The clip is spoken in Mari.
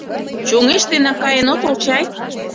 Чоҥештенак каен отыл чай?..